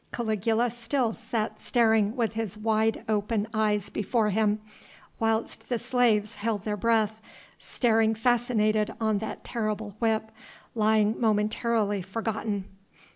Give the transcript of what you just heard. Caligula still sat staring with wide open eyes before him, whilst the slaves held their breath, staring fascinated on that terrible whip, lying momentarily forgotten.